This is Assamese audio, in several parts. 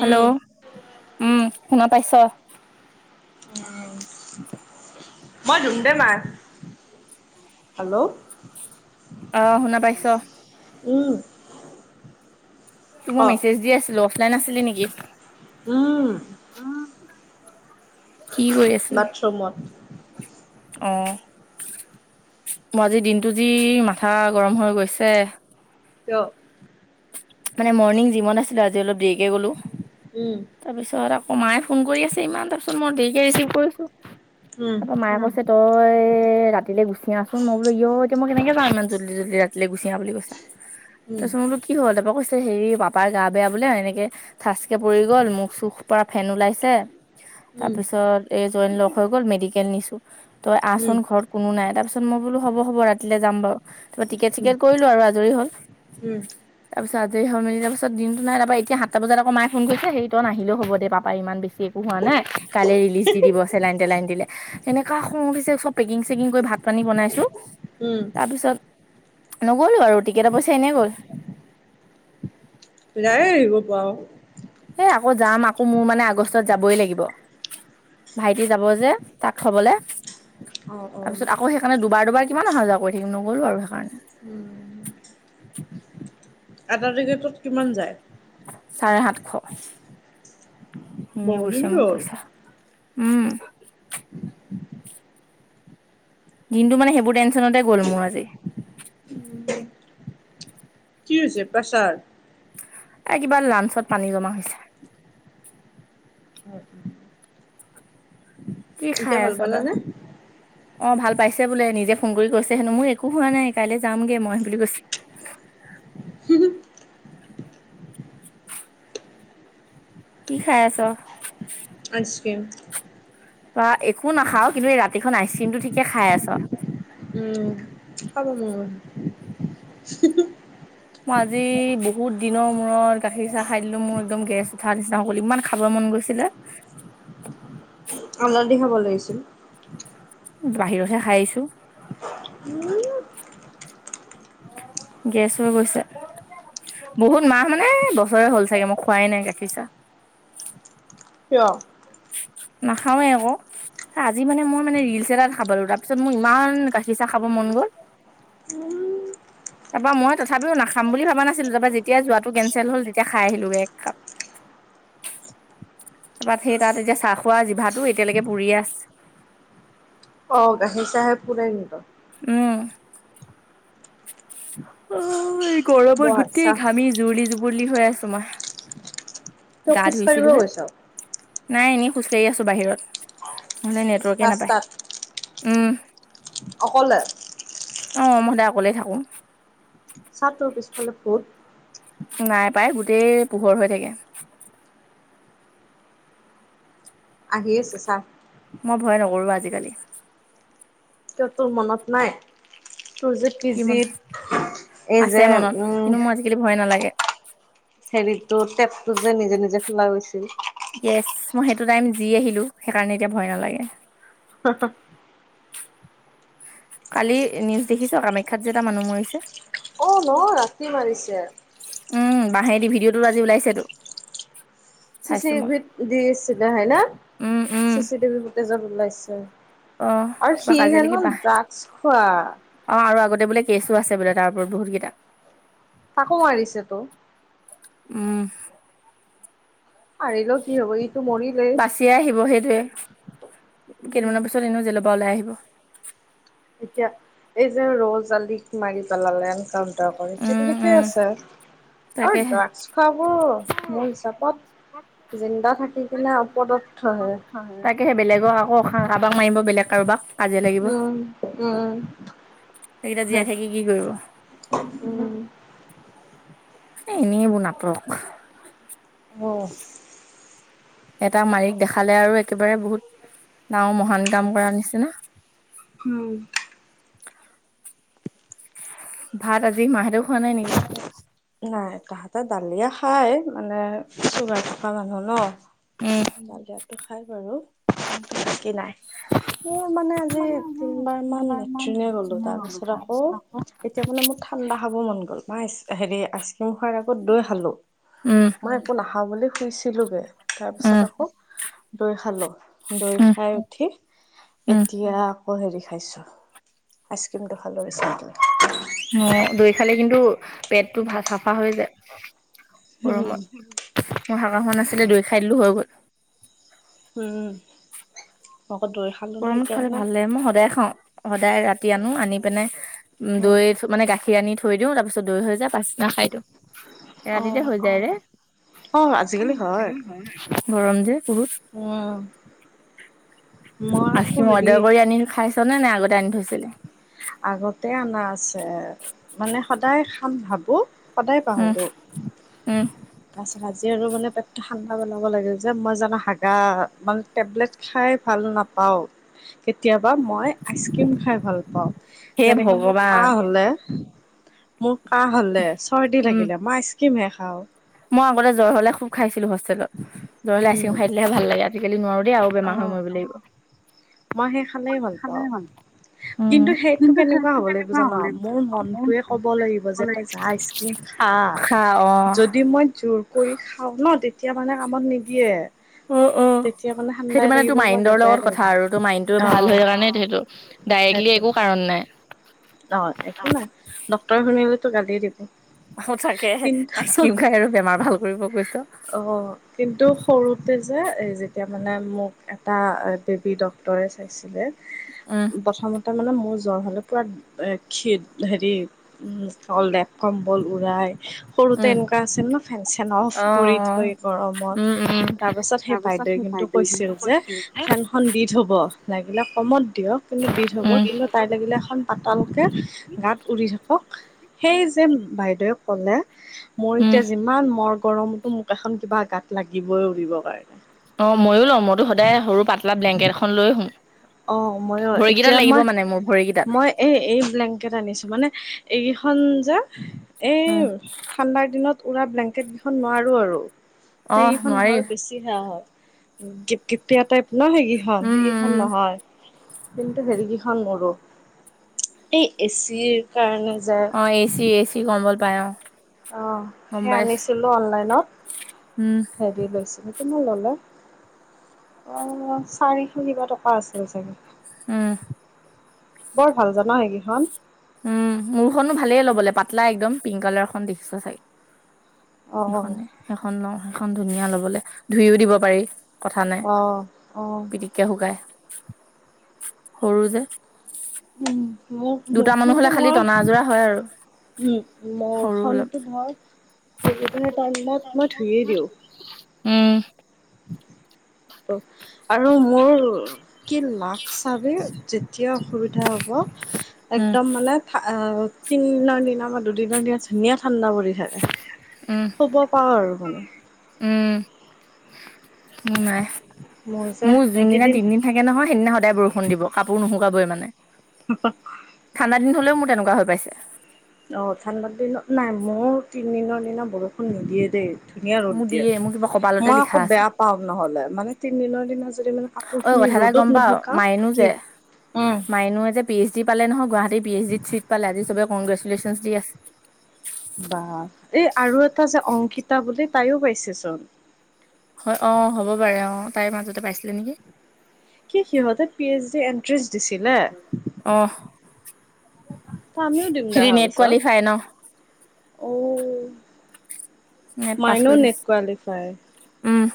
হেল্ল' উম, উম শুনা পাইছ? উম মই ধুমডে [unintelligible] হেল্ল' অ শুনা পাইছ? উম। তোক ক মই মেছেজ দি আছিলো। অফলাইন আছিলি নেকি? উম, কি কৰি আছিলি? বাথৰুমত। অহ। মই আজি দিনতটো যি মাথা গৰম হৈ গৈছে। কিয়? মানে মৰ্ণিং জিমত আছিলো আজি অলপ দেৰিকে গ'লো। উম, তাৰপিছত আকৌ মায়ে ফোন কৰি আছে ইমান, তাৰপিছত মই দেৰিকে ৰিচিভ কৰিছো। উম, তাৰপা মায়ে কৈ তই ৰাতিলে গুচি আহাচোন। মই বোলো ইয় এতিয়া মই কেনেকে যাওঁ ইমান জল্দি জল্দি ৰাতিলৈ গুচি আহা বুলি কৈছে। উম, তাৰপিছত বোলো কি হল? তাৰপৰা কৈছে হেৰি পাপাৰ গা বেয়া বোলে এনেকে থাচকে পৰি গল, মোক চুখ পৰা ফেন ওলাইছে। তাৰ উম, পিছত এই জইন লগ হৈ গ'ল, মেডিকেল নিছো। তই উম, আহচোন ঘৰত কোনো নাই। তাৰপিছ মই বোলো হব হ'ব ৰাতিলে যাম বাৰু। তাৰপা টিকেট উম, চিকেট কৰিলো আৰু আজৰি হ'ল উম। তাপিছত আজৰি হৈ মেলি তাপিচত দিনটো নাই, এতিয়া সাতটা বজাত আকৌ মাই ফোন কৰিছে, তই নাহিলেও হব দে পাপা ইমান বেছি- হোৱা নাই, কাইলে ৰিলিজ দি দিব চেলাইন তেলাইন দিলে। এনেকা খং উঠিছে চব পেকিং চেকিং কৰি ভাত পানী বনাইছো, উম, তাৰপিছত নগলো আৰু টিকেটৰ পইচা এনেই গ'ল যায় আহিব পাৰ। এ আকৌ যাম আকৌ মোৰ মানে আগষ্টত যাবই লাগিব। ভাইটি যাব যে তাক থবলে। অ', তাৰপিছত অ'। আকৌ সেইকাৰণে দুবাৰ দুবাৰ কিমান অহা যোৱা কৰি থাকিম, নগ'লো আৰু সেইকাৰণে। উম। এটা তিকেতত কিমান যায়? চাৰে সাতশ। এনেই বহুখিনি গৈছে মোৰ গ'ল। পইচা। উম। দিনটো মানে সেইবোৰ টৈনশনতে গ'ল মোৰ আজি। উম। কি হৈছে প্ৰেছাৰ? এ কিবা লাঞ্চত পানী জমা হৈছে। হয়। কি খাই ভাল আছ তই? পালানে? অ' ভাল পাইছে বোলে, নিজে ফোন কৰি কৈছে হেনো, মোৰ একো হোৱা নাই, কাইলৈ যামগে মই বুলি কৈছে। কি খাই আছ? আইচক্ৰীম। বা একো নাখাৱ। কিন্তু এই ৰাতিখন আইচ ক্ৰীমটো ঠিকে খাই আছ। উম, খাব মন গৈছে। মই আজি বহুত দিনৰ মূৰত গাখীৰ চাহ খাই দিলো মোৰ একদম গেছ উঠাৰ নিচিনা হ'ল, ইমান খাবলে মন গৈছে। চিলে। হালধী খাব লাগিছিল। বাহিৰহে খাই আহিছো। উম, গেছ হৈ গৈছে। বহুত মাহ মানে বছৰে হ'ল চাগে মই খোৱাই নাই গাখীৰ চাহ। কিয়? নাখাওঁৱে ক। ত' আজি মানে মই মানে ৰিলচ এটা দেখা পালো, তাৰপিছত মোৰ ইমান গাখীৰ চাহ খাব মন গ'ল। উম, তাৰ পৰা মই তথাপিও নাখাম বুলি ভাবা নাছিলো। তাপা যেতিয়া যোৱাটো কেনঞ্চেল হ'ল, তেতিয়া খাই আহিলোগে এক কাপ। [unintelligible] তাপাত সেই তাত এতিয়া চাহ খোৱা জিভাটো, এতিয়ালৈকে পুৰিয়ে আছে। অ', গাখীৰ চাহেব পুৰে নেকী বাৰু। উম। ঐ বৰ গৰমত আচ্ছা। গোটেই ঘামি জুৰুলি জুবোলি হৈ আছো মই। তই গা খোজ কাঢ়িব ধুইছিলো হে, গৈছ নাই এনেই খোজকাঢ়ি আছো বাহিৰত। নহলে নেটৱৰ্কে নাপায়। ৰাস্তাত উম। অকলে? অঁ', মই সদায় অকলে থাকোঁঙ। চা তোৰ পিছফালে ভোট। নাই পায়, গোটেই পোহৰ হৈ থাকে। আহি আছে চা। মই ভয় নকৰোঁ আজিকালি। তোৰ মনত নাই। তোৰ যে কি মন পিজিত। এ আছে যে, মনত, উম। মোৰ কিন্তু ভয় নালাগে। হেৰিতো টেপটো যে নিজে নিজে খোলা গৈছিল। য়েচ। মই সেইটো টাইম যি আহিলো সেইকাৰণে এতিয়া ভয় নালাগে। [unintelligible] কালি নিউজ দেখিছ, কামাখ্যাত যে এটা মানুহ মৰিছে? অ ন ৰাতি মাৰিছে। উম, বাঁহে দি ভিডিঅ'টোত আজি ওলাইছেতো। চি চি চাইছো মই টিভিত দিছিলে হয় ন? উম উম চিচি টিভি ফুটেজত ওলাইছে। অ আৰু কিবা সি কাজিয়া লাগি হেনো বাহ ড্ৰাগছ খোৱা। অ আৰু আগতে বোলে কেচো আছে বোলে তাৰ ওপৰত বহুত কেইটা। তাকো মাৰিছে ত'। উম। মাৰিলেও কি হব ইটো মৰিলেই বাচি আহিব সেইটোৱে। উম কেইদিনমান পিছত এনেও জেল পা ওলাই আহিব। এতিয়া, এই যে ৰজ আলিক মাৰি পেলালে এন সেইটো উম ঠিকেই উম আছে। আৰু তাকেহে ড্ৰাগছ খোৱাবোৰ মোৰ হিচাপত জিন্দা থাকি কিনে অপদথ হে। তাকে সে বেলেগক আকৌ কাৰোবাক মাৰিব বেলেগ কাৰোবাক। কাজিয়া লাগিব। উম উম সেইকেইটা জীয়াই থাকি কি কৰিব। উম। এ এনে এবোৰ নাটক। অ। এটা মাৰিক দেখালে আৰু একেবাৰে বহুত দাঙ মহান কাম কৰা নিচিনা। হম। ভাত আজি মা হেতেও খোৱা নাই নেকি? নাই তাহাঁতে দালিয়ে খাই, মানে চুগাৰ থকা মানুহ ন। উম, বালিয়াটো খাই বাৰু, বাকি নাই। মই মানে আজি তিনিবাৰমান লেট্ৰিনে গ'লোঁ। তাৰপিছত আকৌ এতিয়া মানে মোৰ ঠাণ্ডা খাব মন গ'ল। মই হেৰি আইচক্ৰীম খোৱাৰ আগত দৈ খালো। উম, মই একো নাখাও বুলি শুইছিলোগে তাৰ পিছত উম, আকৌ লৈ খালো। দৈ উম, খাই উঠি উম, এতিয়া আকৌ হেৰি খাইছোঁ, আইচক্ৰীমটো খালোঁ বিচাৰটিলৈ। অ, দৈ খালে কিন্তু পেটটো ভা চাফা হৈ যায় উম গৰমত। মোৰ হাগাখন আছিলে দৈ খাই দিলো হৈ গ'ল। উম, মক' দৈ খালো ন গৰমত এতিয়া খালে মানে। ভাল লাগে মই সদায় খাওঁ, সদায় ৰাতি আনো আনি পিনে ওম উম দৈ টো মানে গাখীৰ আনি থৈ দিওঁ তাৰ পিছত দৈ হৈ যায় পাছদিনা খাই দিওঁ। ৰাতিতে হৈ যায় ৰে, অ আজিকালি গৰম যে বহুত। ওম। আখিম হেৰি অৰ্ডাৰ কৰি আনি খাইছ নে নে আগতে আনি থৈছিলে? আগতে অনা আছে মানে সদায় খাম ভাবো সদায় উম, পাহৰো। উম, তাৰ পিছত আজি আৰু মানে পেটটো ঠাণ্ডা পেলাব লাগিল যে মই জানো হাগা মান টেবলেট খাই ভাল নাপাওঁ, কেতিয়াবা মই আইচক্ৰীম খাই ভাল পাওঁ। হে যেনেকে মোৰ ভগৱান কাহ হ'লে, মোৰ কাহ হ'লে চৰ্দি উম, লাগিলে মাইচ ক্ৰিমহে খাওঁ। মই আগতে জ্বৰ হ'লে খুব খাইছিলো হোষ্টেলত, জ্বৰ হ'লে উম আইচক্ৰিম খাই দিলেহে ভাল লাগে। আজিকালি নোৱাৰো দেই আৰু অ বেমাৰ হৈ মৰিব লাগিব। মই সেই খালেই ভাল পাওঁ। কিন্তু সেইটো কেনেকুৱা হ'ব লাগিব জান? মোৰ মনটোয়ে ক'ব লাগিব যে তই যা আইচক্ৰিম খা খা অ। যদি মই জোৰ কৰি খাওঁ ন তেতিয়া মানে কামত নিদিয়ে। অ অ তেতিয়া মানে সেইটো ঠাণ্ডাই মানে লাগিব তোৰ বা গা মাইণ্ডৰ বেয়াই লগত কথা লাগিব আৰু। তোৰ মাইণ্ডটো অ ভাল হয় কাৰণ সেইটো ডাইৰেক্টলি সেইটো একো কাৰণ নাই। অ একো নাই, ডক্টৰে শুনিলেতো গালিয়ে দিব। সঁচাকে, কিন্তু আইচক্ৰীম খাই আৰু বেমাৰ ভাল কৰিব কৈছ। অ কিন্তু সৰুতে যে এ যেতিয়া মানে মোক এটা বেবী ডক্টৰে চাইছে আছিলে উহ। প্ৰথমতে মানে মোৰ জ্বৰ হ'লে পূৰা এ খি হেৰি চল ডে কম্বল উৰাই সৰুতে উম, এনেকুৱা আছিল ন ফেন - চেন অফ অ', কৰি অ', থৈ উম, গৰমত উম, তাৰপাছত সেই বাইদেউ কিন্তু কৈছিল যে ফেন খন দি থব, লাগিলে কমত দিয়ক কিন্তু দি থব উম। কিন্তু তাই লাগিলে এখন পাতালকে গাত উৰি থাকক সেই যে বাইদেৱে ক'লে মোৰ উম, এতিয়া যিমান মৰ গৰমতো মোক এখন কিবা গাত লাগিবই উৰিবৰ কাৰণে। অ ময়ো লওঁ, মইতো সদায় সৰু পাতলা ব্লেংকেট এখন লৈ শুম। অ ময়ো ভৰিকেইটাত এতিয়া লাগিব মই মানে মোৰ ভৰিকেইটাত। মই এই এই ব্লেংকেট আনিছো মানে এইকেইখন যে এই উম, ঠাণ্ডাৰ দিনত উৰা ব্লেংকেটকেইখন নোৱাৰো আৰু অ', সেইকেইখন নোৱাৰি। ভৰ বেছি অসুবিধা হয়, কেত কেতিয়া টাইপ ন সেইকেইখন উম, সেইকেইখন উম, নহয়। কিন্তু হেৰিকেইখন নৰো, এই এচিৰ কাৰণে যে মই এ চি এ চি কমবল পাই অ। অহ, গম সেয়া পাইছো আনিছিলোঁ অনলাইনত। উম হয় গৈছিলো মোৰ লগত অ চাৰিশ কিবা টকা আছিল চাগে। উম! বৰ ভাল জানা সেইকেইখন। উম মোৰ খনো ভালেই ল'বলৈ পাতলা একদম পিংক কালাৰখন দেখিছা চাগে অ সেইখনে সেইখন লওঁ সেইখন ধুনীয়া লবলৈ ধুইও দিব পাৰি কথা নাই অ অ পিতিককে শুকাই সৰু যে উম মোক দুটা মানুহ হলে দেখোতে খালি মই টনা আজোৰা হয় আৰু উম সৰু অলপ মোৰখনতো মই অসুবিধাৰ টাইমত মই ধুইয়ে দিওঁ উম আৰু মোৰ কি লাগ চাবি যে এতিয়া অসুবিধা হ'ব উম একদম মানে তিনিদিনৰ দিনা বা দুদিনৰ দিনা ধুনীয়া ঠাণ্ডা পৰি উম থাকে। পাওঁ আৰু মানে উম নাই যে মোৰ যোনদিনা এইকেইদিন তিনিদিন থাকে নহয় সেইদিনা সদায় বৰষুণ দিব কাপোৰ নুশুকা বই মানে [unintelligible] ঠাণ্ডা দিনত হ'লেও মোৰ তেনেকুৱা হৈ পাইছে। অঁ ঠাণ্ডা দিনত নাই মোৰ তিনিদিনৰ দিনা বৰষুণ নিদিয়ে দেই ধুনীয়া ৰদ মোৰ দিয়ে মোৰ কিবা কপালতে মই লিখা আকৌ আছে বেয়া পাওঁ নহলে মানে তিনিদিনৰ দিনা যদি মানে ঐ কাপোৰখিনি কথা এটা ৰ'দত গম পা নুশুকাও মাইনু যে কি উম মাইনুয়ে যে পি এইচ ডি পালে নয় গুৱাহাটী পি এইচ ডিত চিট পালে আজি চবে কগ্ৰেচুলেশ্যন দি আছে। বা এই আৰু এটা যে অংকিতা বুলি তাইও পাইছে চোন। হয় অ হ'ব বাৰে অ তাইৰ মাজতে পাইছিলে নেকি। কি সিহঁতে পি এইচ ডি এন্ট্ৰেন্ঞ্চ দিছিলে। অ ত আমিও দিম হেৰি দেহা নেট কোৱালিফাই ন ওচৰত অ নেট পাছ মাইনো কৰি নেট থৈছো উম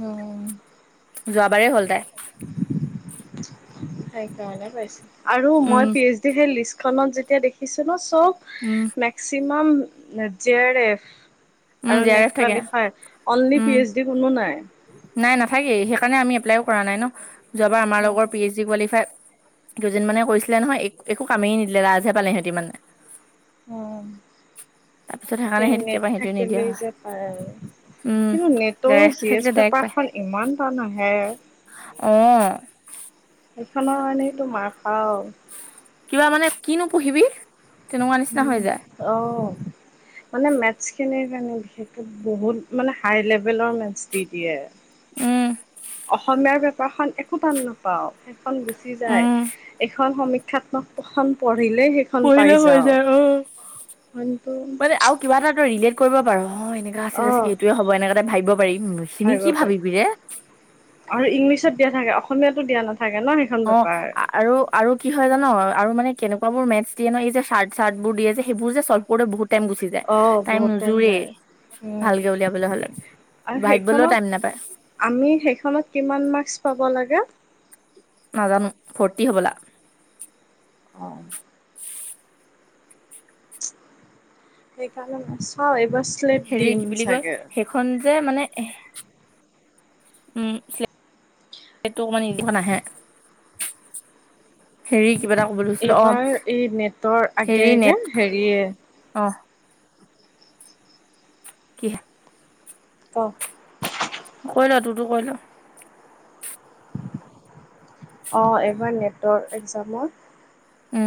উম যোৱাবাৰেই হ'ল তাই সেইকাৰণে পাইছো আৰু উম মই পি এইচ ডি সেই লিষ্টখনত যেতিয়া দেখিছো ন চব উম মেক্সিমাম জে আৰ এফ উম আৰু জে আৰ এফ নেট থাকে qualifier only P um H D কোনো নাই। নাই নাথাকে সেইকাৰণে আমি এপ্লাইও কৰা নাই ন যোৱাবাৰ আমাৰ লগৰ পি এইচ কোৱালিফাই দুজন মানে কৰিছিলে নহয় এক একো কামে নিদিলে লাজে পালে সিহঁতি মানে উম তাৰপিছত সেইকাৰণে সেই তেতিয়াৰ নেট পৰা সেইটোৱে নিদিয়া থাকিলে হ'ল যে পায় আৰু উম কিন্তু জে আৰ নেটৰো এফটো চিৰিয়াজ থাকিলে ডাইৰেক্ট পায় পেপাৰখন ইমান টান আহে। অ সেইখনৰ কাৰণে তো মাৰ খাও। কিবা মানে কিনো পঢ়িবি। তেনেকুৱা নিচিনা উম হৈ যায় আহ মানে মেথছ খিনিৰ কাৰণে বিশেষকে বহুত মানে হাই লেভেলৰ মেথছ দি দিয়ে। উম অসমীয়াৰ বেপাৰখন একো টান নাপাও। খন গুচি যায়, উম এখন সমীক্ষাখন পঢ়িলে পঢ়িলে পাৰিছা হৈ অঁ, যায় অ কিন্তু মানে আৰু কিবা এটা ৰিলেট কৰিব পাৰোঁ নহয়। চিৰা চিধা অঁ চিধি এইটোয়ে হ'ব এনেকুৱাতে ভাবিব পাৰিম খিনি ভাবিব কি পাৰি। ভাবিবি ৰে। আৰু ইংলিছত দিয়া থাকে, অসমীয়াতো দিয়া নাথাকে নহ অঁ আৰু আৰু কি হয় জান, আৰু মানে কেনেকুৱা বোৰ মেথছ দিয়ে ন এই যে চাৰ্ট চাৰ্ট বোৰ দিয়ে যে সেইবোৰ যে চল্ভ কৰোঁতে বহুত টাইম গুচি যায়, অঁ টাইম বহুত নোযোৰেই। যায়। উম ভালকে উলিয়াবলে হ'লে, আৰু ভাৱিবলৈ বলৈও সেইখনত টাইম নাপায়। আমি সেইখনত কিমান মাৰ্ক্স পাব লাগে? নাজানো, ফৰ্তি হ'বলা। অঁ সেইকাৰণে মই চাও এইবাৰ শ্লপ দিম চাগে। এ খন যে মানে এ উম, শ্লেপ টো অকনমান ইজি নাহে। [inaudible] হেৰি কিবা এটা কবলৈ এইবাৰ এই নেটৰ আগে আগে হেৰিয়ে অঁ কি অহ কৰি ল, তোৰ তো কৰি ল। অ এইবাৰ নেটৰ আকচম উম